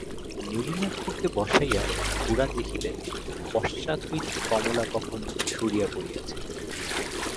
নলিনাক্ষকে বসাইয়া খুড়া দেখিলেন, পশ্চাৎ হইতে কমলা কখন সরিয়া পড়িয়াছে।